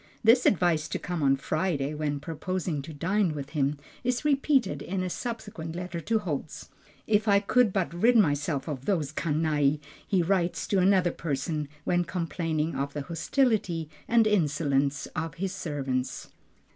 This advice to come on Friday when purposing to dine with him, is repeated in a subsequent letter to Holz. "If I could but rid myself of these canaille," he writes to another person, when complaining of the hostility and insolence of his servants.